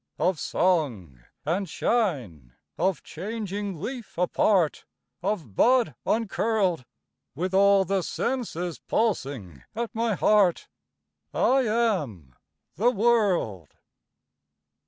Of song and shine, of changing leaf apart, Of bud uncurled: With all the senses pulsing at my heart, I am the world.